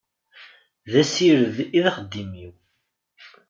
D asired i d axeddim-w.